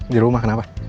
di rumah kenapa